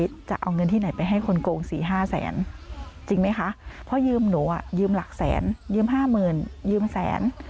จะเอาเงินที่ไหนไปให้คนโกง๔๕แสนจริงไหมคะเพราะยืมหนูอ่ะยืมหลักแสนยืมห้าหมื่นยืมแสน